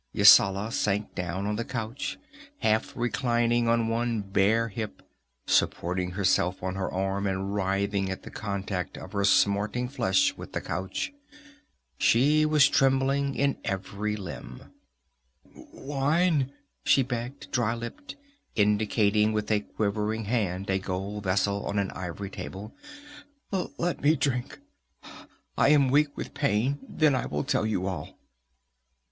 Yasala sank down on the couch, half reclining on one bare hip, supporting herself on her arm, and writhing at the contact of her smarting flesh with the couch. She was trembling in every limb. "Wine!" she begged, dry lipped, indicating with a quivering hand a gold vessel on an ivory table. "Let me drink. I am weak with pain. Then I will tell you all."